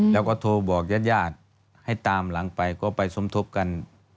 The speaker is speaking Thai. แล้วก็โทรบอกญาติญาติให้ตามหลังไปก็ไปสมทบกัน